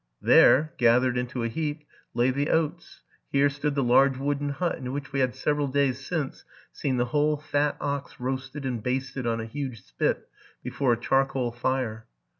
There, gathered into a heap, lay the oats: here stood the large wooden hut, in which we had several days since seen the whole fat ox roasted and basted on a huge spit before a charcoal fire.